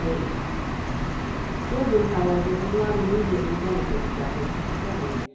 CHAPTER V Wogan, however, was not immediately benefited by his discovery.